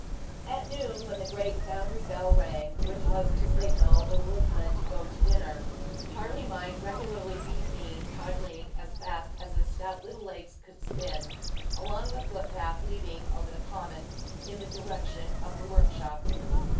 At noon, when the great foundry bell rang, which was the signal for the workmen to go to dinner Charlie might regularly be seen, toddling as fast as his stout little legs could spin, along the footpath leading over the common in the direction of the workshops.